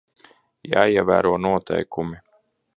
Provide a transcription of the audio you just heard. Jāievēro noteikumi.